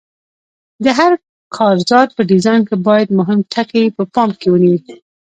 د هر کارزار په ډیزاین کې باید مهم ټکي په پام کې وي.